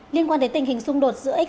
liên quan đến tình hình xung đột giữa x